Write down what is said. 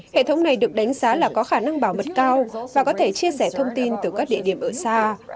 hệ thống này được đánh giá là có khả năng bảo mật cao và có thể chia sẻ thông tin từ các địa điểm ở xa